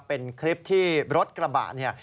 เป็นคลิปที่รถกระบะเนี่ย